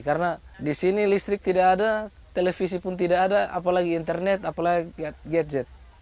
karena di sini listrik tidak ada televisi pun tidak ada apalagi internet apalagi gadget